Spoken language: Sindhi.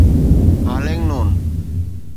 هاليگنون